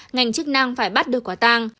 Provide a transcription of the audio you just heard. ngành chức năng phải bắt được quả tăng